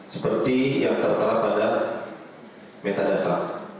seperti yang tertera pada metadata